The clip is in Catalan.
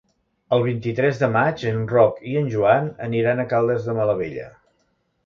El vint-i-tres de maig en Roc i en Joan aniran a Caldes de Malavella.